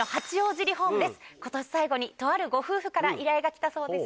今年最後にとあるご夫婦から依頼が来たそうです。